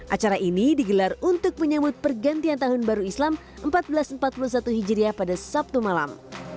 acara ini digelar untuk menyambut pergantian tahun baru islam seribu empat ratus empat puluh satu hijriah pada sabtu malam